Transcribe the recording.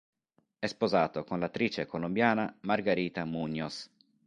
È sposato con l'attrice colombiana Margarita Muñoz.